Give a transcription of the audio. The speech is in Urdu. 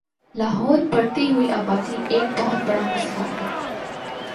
لاہور بڑھتی ہوئی آبادی ایک بہت بڑا مسلہ ہے